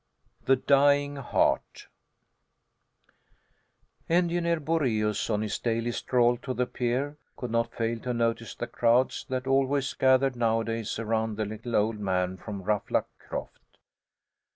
THE DYING HEART Engineer Boraeus on his daily stroll to the pier could not fail to notice the crowds that always gathered nowadays around the little old man from Ruffluck Croft.